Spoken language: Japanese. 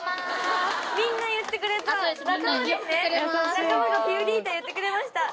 仲間がピユリータ言ってくれました。